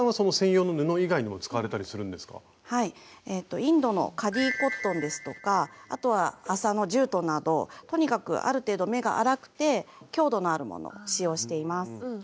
インドのカディコットンですとかあとは麻のジュートなどとにかくある程度目が粗くて強度のあるものを使用しています。